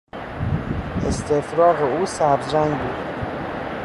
استفراغ او سبزرنگ بود.